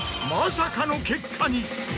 まさかの結果に。